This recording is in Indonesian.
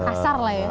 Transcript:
kasar lah ya